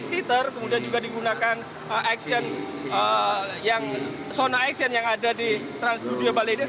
kemudian juga digunakan sona action yang ada di trans studio bali